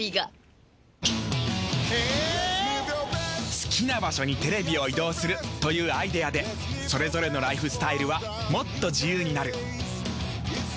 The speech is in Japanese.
好きな場所にテレビを移動するというアイデアでそれぞれのライフスタイルはもっと自由になる。